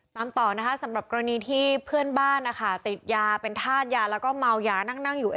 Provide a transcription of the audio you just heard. ตามต่อนะคะสำหรับกรณีที่เพื่อนบ้านนะคะติดยาเป็นธาตุยาแล้วก็เมายานั่งนั่งอยู่